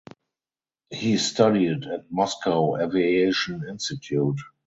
He studied at Moscow Aviation Institute.